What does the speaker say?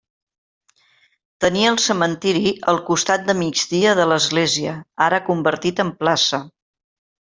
Tenia el cementiri al costat de migdia de l'església, ara convertit en plaça.